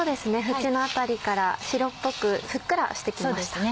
縁の辺りから白っぽくふっくらして来ました。